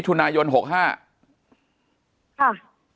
ก่อนงานส่วนต่อส่วนต่อส่วนจ